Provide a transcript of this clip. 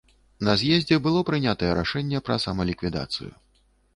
На з'ездзе было прынятае рашэнне пра самаліквідацыю.